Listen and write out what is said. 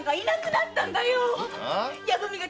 な